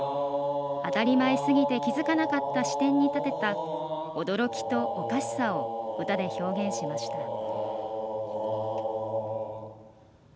当たり前すぎて気付かなかった視点に立てた驚きとおかしさを歌で表現しました。